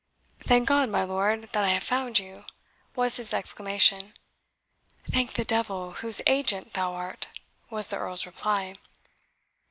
"Thank God, my lord, that I have found you!" was his exclamation. "Thank the devil, whose agent thou art," was the Earl's reply.